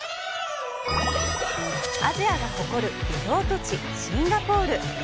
アジアが誇るリゾート地・シンガポール。